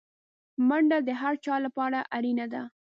منډه د هر چا لپاره اړینه ده